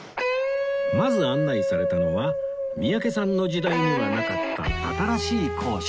まず案内されたのは三宅さんの時代にはなかった新しい校舎